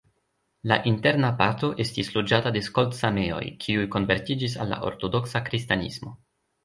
La interna parto estis loĝata de skolt-sameoj, kiuj konvertiĝis al ortodoksa kristanismo.